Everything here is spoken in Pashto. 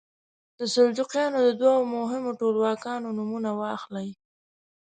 د سلجوقیانو د دوو مهمو ټولواکانو نومونه واخلئ.